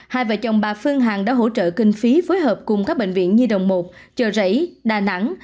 hai vợ chồng bà phương hằng đã hỗ trợ kinh phí phối hợp cùng các bệnh viện nhi đồng một chợ rẫy đà nẵng